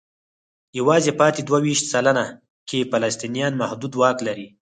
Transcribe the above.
یوازې پاتې دوه ویشت سلنه کې فلسطینیان محدود واک لري.